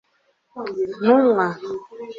ntumwa